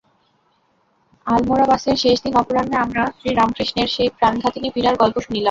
আলমোড়া-বাসের শেষদিন অপরাহ্নে আমরা শ্রীরামকৃষ্ণের সেই প্রাণঘাতিনী পীড়ার গল্প শুনিলাম।